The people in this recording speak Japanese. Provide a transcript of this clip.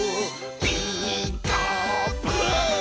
「ピーカーブ！」